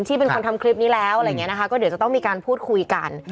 เป็นคนทำคลิปนี้แล้วอะไรอย่างนี้นะคะก็เดี๋ยวจะต้องมีการพูดคุยกัน